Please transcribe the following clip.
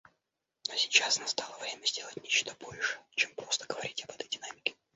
Но сейчас настало время сделать нечто большее, чем просто говорить об этой динамике.